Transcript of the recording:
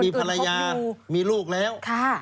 มีภรรยามีลูกแล้ว